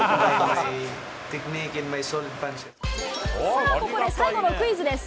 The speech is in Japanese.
さあ、ここで最後のクイズです。